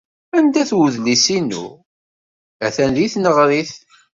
Anda-t wedlis-inu? Atan deg tneɣrit.